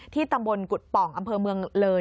ตำบลกุฎป่องอำเภอเมืองเลย